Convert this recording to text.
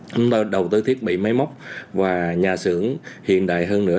chúng tôi đầu tư thiết bị máy móc và nhà xưởng hiện đại hơn nữa